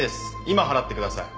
今払ってください。